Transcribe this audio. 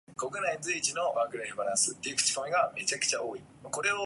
Several recent tragedies having probably had their origin in sadistic impulses.